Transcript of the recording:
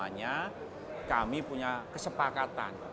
nah semuanya kami punya kesepakatan